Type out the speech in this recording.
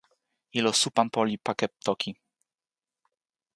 ilo Supanpo li pake toki.